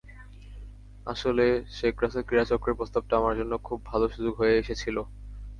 আসলে শেখ রাসেল ক্রীড়াচক্রের প্রস্তাবটা আমার জন্য খুব ভালো সুযোগ হয়ে এসেছিল।